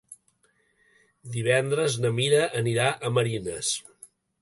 Divendres na Mira anirà a Marines.